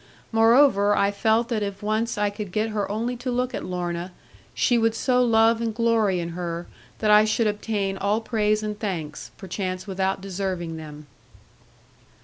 Moreover, I felt that if once I could get her only to look at Lorna, she would so love and glory in her, that I should obtain all praise and thanks, perchance without deserving them.